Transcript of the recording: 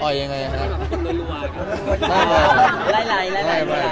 อ๋อยยังไงครับ